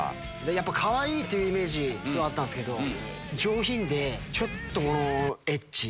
やっぱかわいいというイメージあったんですけど上品で。